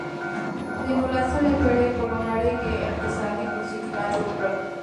د نولسمې پېړۍ په لومړیو کې اقتصادي بنسټونه جوړ کړل.